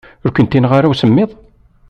Ur kent-ineɣɣ ara usemmiḍ.